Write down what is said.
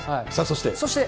そして？